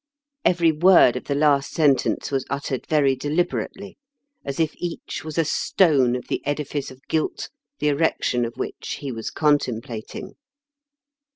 Every word of the last sentence was 94 IN KENT WITH OHABLES DICKENS. Uttered very deUberately, as if each was a stone of the edifice of guilt the erection of which he was contemplating.